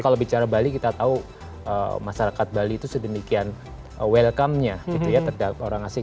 kalau bicara bali kita tahu masyarakat bali itu sedemikian welcome nya gitu ya orang asing